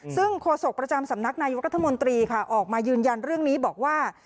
ซึ่งโฆษกประจำสำนักนายกรัฐมนตรีค่ะออกมายืนยันเรื่องนี้บอกว่า